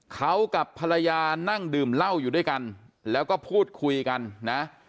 เขากับภรรยานั่งดื่มเหล้าอยู่ด้วยกันแล้วก็พูดคุยกันนะ